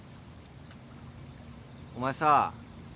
お前さ